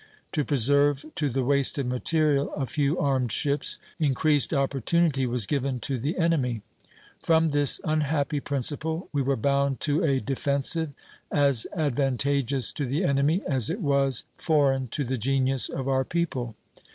To preserve to the wasted material a few armed ships, increased opportunity was given to the enemy. From this unhappy principle we were bound to a defensive as advantageous to the enemy as it was foreign to the genius of our people.